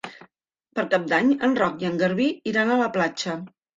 Per Cap d'Any en Roc i en Garbí iran a la platja.